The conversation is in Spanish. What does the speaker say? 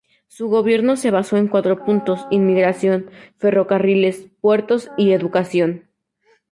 Su gobierno se basó en cuatro puntos: inmigración, ferrocarriles, puertos y educación.